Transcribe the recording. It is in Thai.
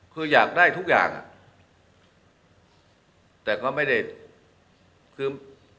คืออยากได้ทุกอย่างอ่ะแต่ก็ไม่ได้คือ